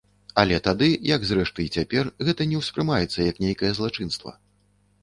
Але тады, як зрэшты і цяпер, гэта не ўспрымаецца як нейкае злачынства.